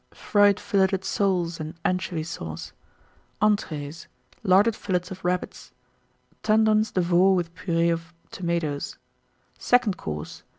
Fried Filleted Soles and Anchovy Sauce. ENTREES. Larded Fillets of Rabbits. Tendrons de Veau with Purée of Tomatoes. SECOND COURSE.